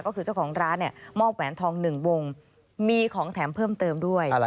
ก็คือเจ้าของร้านเนี่ยมอบแหวนทอง๑วงมีของแถมเพิ่มเติมด้วย